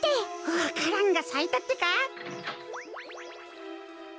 わか蘭がさいたってか。